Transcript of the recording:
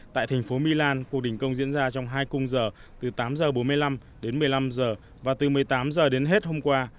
tại thành phố milan cuộc đình công diễn ra trong hai cung giờ từ tám h bốn mươi năm đến một mươi năm h và từ một mươi tám h đến hôm qua